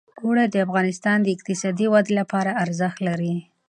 اوړي د افغانستان د اقتصادي ودې لپاره ارزښت لري.